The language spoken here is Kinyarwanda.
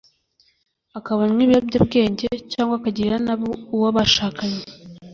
akaba anywa ibiyobyabwenge cyangwa akagirira nabi uwo bashakanye